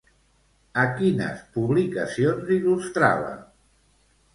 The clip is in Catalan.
A quines publicacions il·lustrava?